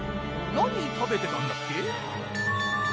何食べてたんだっけ？